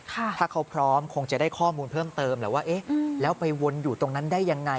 ถ้าเขาพร้อมคงจะได้ข้อมูลเพิ่มเติมแหละว่าเอ๊ะแล้วไปวนอยู่ตรงนั้นได้ยังไง